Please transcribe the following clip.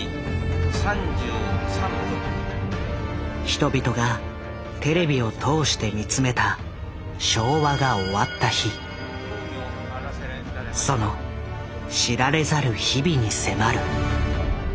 人々がテレビを通して見つめたその知られざる日々に迫る。